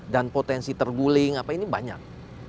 dan potensi terguling apa ini banyak